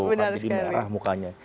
maka jadi merah mukanya